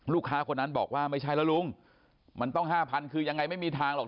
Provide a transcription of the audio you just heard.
ลูกค้าคนนั้นบอกว่าไม่ใช่แล้วลุงมันต้อง๕๐๐คือยังไงไม่มีทางหรอก